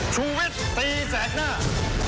สวัสดีครับ